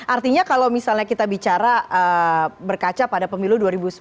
artinya kalau misalnya kita bicara berkaca pada pemilu dua ribu sembilan belas